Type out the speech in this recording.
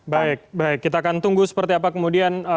baik baik kita akan tunggu seperti apa kemudian